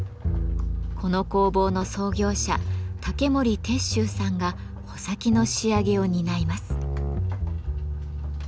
この工房の創業者竹森鉄舟さんが穂先の仕上げを担います。